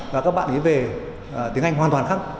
và các bạn ý về tiếng anh hoàn toàn khác